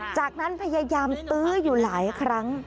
จากนั้นพยายามตื้ออยู่หลายครั้ง